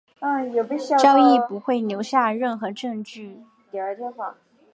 交易不会留下任何证据。